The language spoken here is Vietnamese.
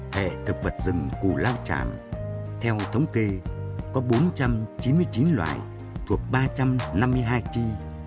hệ thực vật rừng củ lao tràm theo thống kê có bốn trăm chín mươi chín loại thuộc ba trăm năm mươi hai chi